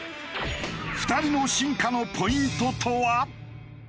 ２人の進化のポイントとは？